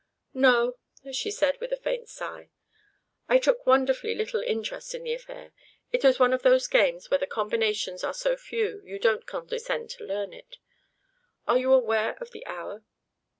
"No," said she, with a faint sigh; "I took wonderfully little interest in the affair. It was one of those games where the combinations are so few you don't condescend to learn it. Are you aware of the hour?"